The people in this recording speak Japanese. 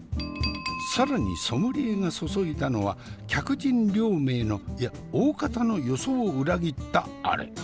更にソムリエが注いだのは客人両名のいや大方の予想を裏切ったアレ。